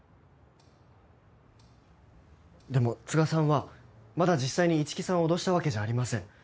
でも都賀さんはまだ実際に一木さんを脅したわけじゃありません。